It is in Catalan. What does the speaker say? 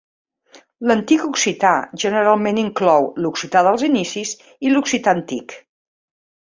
L'antic occità generalment inclou l'occità dels inicis i l'occità antic.